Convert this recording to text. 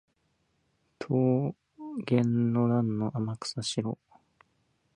島原の乱の天草四郎